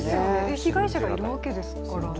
被害者がいるわけですからね。